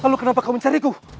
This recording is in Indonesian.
lalu kenapa kau mencariku